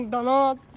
って。